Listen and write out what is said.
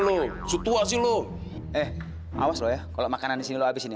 lo setuas ilmu eh awas ya kalau makanan disini habisnya